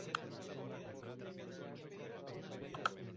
El culo sucio será aquel que se quede con una carta sin par.